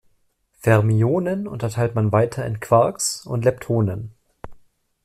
Fermionen unterteilt man weiter in Quarks und Leptonen.